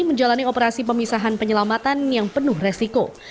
menjalani operasi pemisahan penyelamatan yang penuh resiko